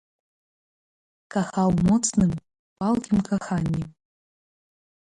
Кахаў моцным, палкім каханнем.